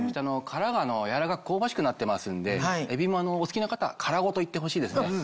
殻がやわらかく香ばしくなってますんでエビもお好きな方は殻ごと行ってほしいですね。